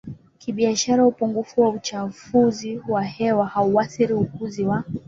kibiashara upungufu wa uchafuzi wa hewa hauathiri ukuzi wa